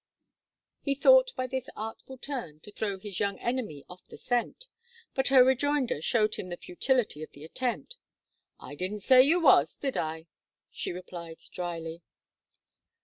He thought by this artful turn to throw his young enemy off the scent; but her rejoinder showed him the futility of the attempt. "I didn't say you was, did I?" she replied, drily.